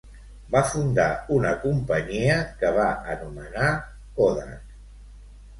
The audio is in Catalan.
Va fundar una companyia que va anomenar "Kodak".